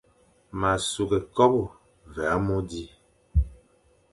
Ma sughé kobe ve amô di,